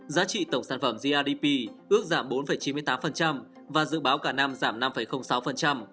giá trị tổng sản phẩm grdp ước giảm bốn chín mươi tám và dự báo cả năm giảm năm sáu